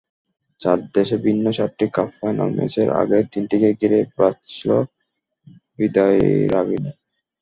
চার দেশে ভিন্ন চারটি কাপ ফাইনাল, ম্যাচের আগে তিনটিকেই ঘিরে বাজছিল বিদায়রাগিণী।